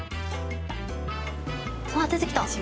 うわ、出てきた。